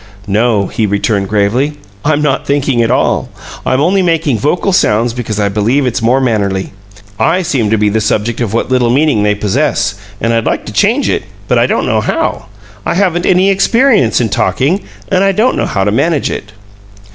"No," he returned, gravely. "I'm not thinking at all; I'm only making vocal sounds because I believe it's more mannerly. I seem to be the subject of what little meaning they possess, and I'd like to change it, but I don't know how. I haven't any experience in talking, and I don't know how to manage it."